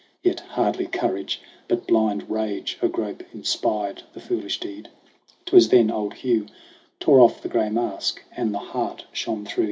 Yet, hardly courage, but blind rage agrope Inspired the foolish deed. J Twas then old Hugh Tore off the gray mask, and the heart shone through.